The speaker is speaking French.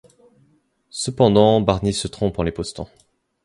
Cependant, Barnie se trompe en les postant.